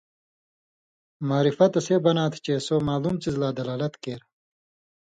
معرفہ تسے بناں تھہ چے سو معلُوم څیزہۡ لا دلالت کېر